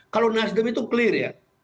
kalau nasdem itu clear ya